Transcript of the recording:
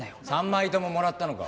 ３枚とももらったのか？